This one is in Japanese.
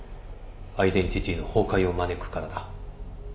アイデンティティーの崩壊を招くからだ